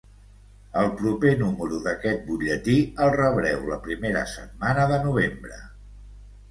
El proper número d'aquest butlletí el rebreu la primera setmana de novembre.